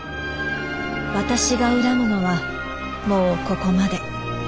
私が恨むのはもうここまで。